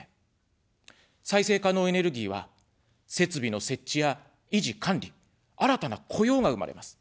再生可能エネルギーは、設備の設置や維持管理、新たな雇用が生まれます。